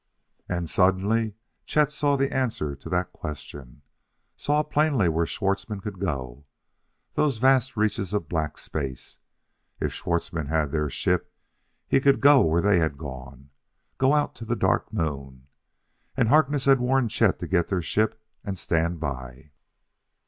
And suddenly Chet saw the answer to that question saw plainly where Schwartzmann could go. Those vast reaches of black space! If Schwartzmann had their ship he could go where they had gone go out to the Dark Moon.... And Harkness had warned Chet to get their ship and stand by.